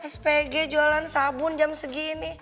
spg jualan sabun jam segini